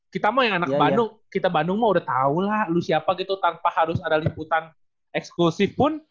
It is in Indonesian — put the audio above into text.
kita mau yang anak bandung kita bandung mau udah tahu lah lu siapa gitu tanpa harus ada liputan eksklusif pun